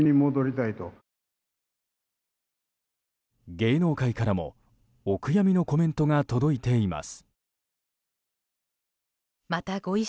芸能界からもお悔やみのコメントが届いています。